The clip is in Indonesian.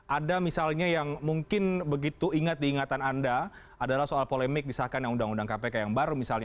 ada misalnya yang mungkin begitu ingat diingatan anda adalah soal polemik disahkan yang undang undang kpk yang baru misalnya